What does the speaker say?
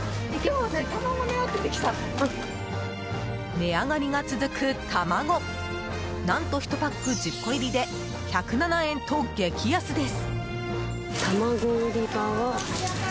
値上がりが続く卵何と１パック１０個入りで１０７円と激安です。